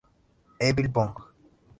Evil Bong.